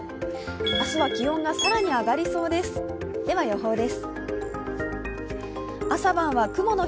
明日は気温が更に上がりそうです。